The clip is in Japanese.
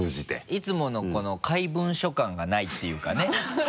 いつものこの怪文書感がないっていうかね。